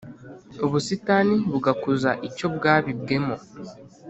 ubusitani bugakuza icyo bwabibwemo,